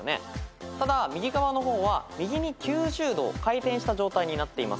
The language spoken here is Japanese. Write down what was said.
ただ右側の方は右に９０度回転した状態になっています。